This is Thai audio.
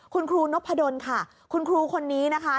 คุณครูนพดลค่ะคุณครูคนนี้นะคะ